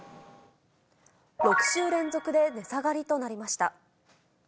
６週連続で値下がりとなりました。